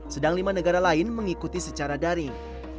sedang lima negara lain mengikuti secara daring